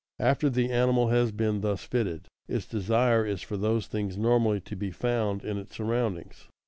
After the animal has been thus fitted, its desire is for those things normally to be found in its surroundings.